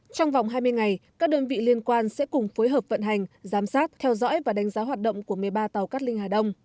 trong vòng hai mươi ngày các đơn vị liên quan sẽ cùng phối hợp vận hành giám sát theo dõi và đánh giá hoạt động của một mươi ba tàu cát linh hà đông